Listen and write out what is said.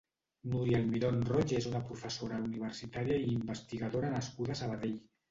Núria Almiron Roig és una professora universitària i investigadora nascuda a Sabadell.